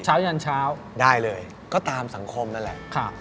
ยันเช้าได้เลยก็ตามสังคมนั่นแหละ